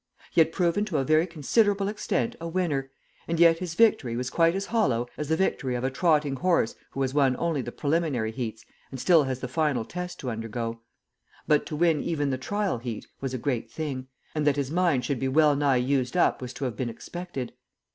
He had proven to a very considerable extent a winner, and yet his victory was quite as hollow as the victory of a trotting horse who has won only the preliminary heats and still has the final test to undergo; but to win even the trial heat was a great thing, and that his mind should be well nigh used up was to have been expected.